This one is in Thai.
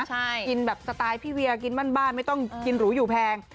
กินแบบสไตล์พี่เวียกินบ้านไม่ต้องกินหรูอยู่แพง